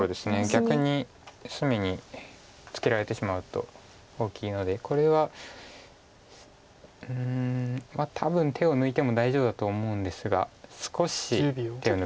逆に隅にツケられてしまうと大きいのでこれは。うん多分手を抜いても大丈夫だと思うんですが少し手を抜くと。